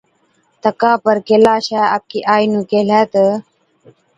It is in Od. تڪا پَر ڪيلاشَي آپڪِي آئِي نُون ڪيهلَي تہ،